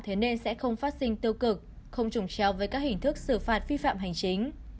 thế nên sẽ không phát sinh tiêu cực không trùng trèo với các hình thức xử phạt vi phạm hành chính